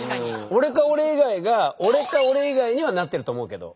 「俺か俺以外」が「俺か俺以外」にはなってると思うけど。